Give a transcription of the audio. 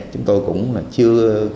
chúng tôi cũng chưa